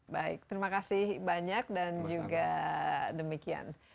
baik terima kasih banyak dan juga demikian